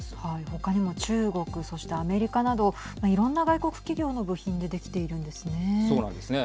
ほかにも中国そしてアメリカなどいろんな外国企業の部品でできているんですね。